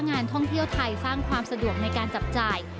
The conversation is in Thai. งานท่องเที่ยวไทยสร้างความสะดวกในการจับจ่าย